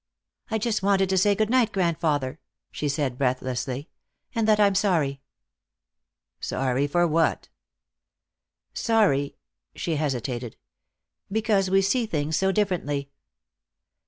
"I just wanted to say good night, grandfather," she said breathlessly. "And that I am sorry." "Sorry for what?" "Sorry " she hesitated. "Because we see things so differently."